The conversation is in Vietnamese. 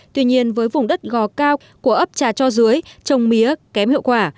tuy nhiên với vùng đất gò cao của ấp trà cho dưới trồng mía kém hiệu quả